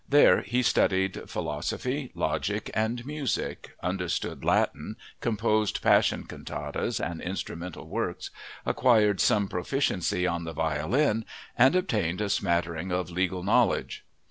There he studied philosophy, logic, and music, understood Latin, composed Passion cantatas and instrumental works, acquired some proficiency on the violin, and obtained a smattering of legal knowledge.